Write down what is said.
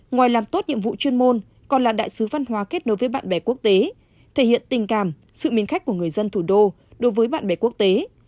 ngoài làm tốt nhiệm vụ chuyên môn còn là đại sứ văn hóa kết nối với bạn bè quốc tế thể hiện tình cảm sự mến khách của người dân thủ đô đối với bạn bè quốc tế